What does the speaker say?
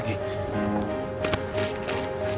ah kertasnya mana lagi